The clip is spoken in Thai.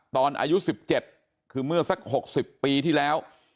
อายุ๑๗คือเมื่อสัก๖๐ปีที่แล้ว